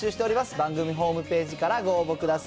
番組ホームページからご応募くだ